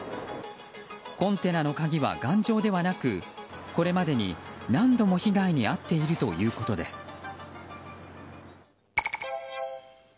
コンテナの鍵は頑丈ではなくこれまでに何度も被害に遭っているということです。